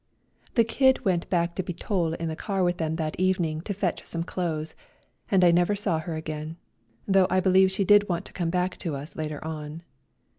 The Kid went back to Bitol in the ear with them that evening to fetch some clothes, and I never saw her again, though I beUeve she did want to come back to us later on.